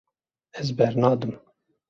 Ez bernadim.